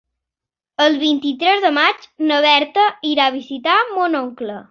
El vint-i-tres de maig na Berta irà a visitar mon oncle.